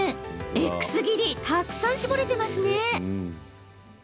エックス切りたくさん搾れていますね。